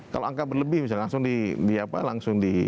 kalau angka berlebih langsung